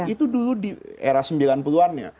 itu dulu di era sembilan puluh an ya